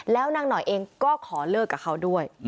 แล้วนางหน่อยเองก็ขอเลิกกับเขาด้วย